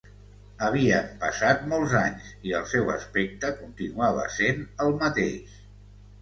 Havien passat molts anys i el seu aspecte continuava sent el mateix.